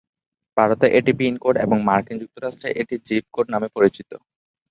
ভারতে এটি pin code এবং মার্কিন যুক্তরাষ্ট্রে এটি জিপ কোড নামে পরিচিত।